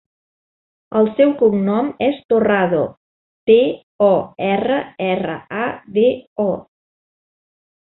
El seu cognom és Torrado: te, o, erra, erra, a, de, o.